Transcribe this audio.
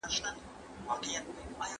هر وخت چې سړکونه سم وي، خطر به زیات نه شي.